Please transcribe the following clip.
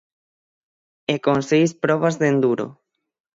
E con seis probas de enduro.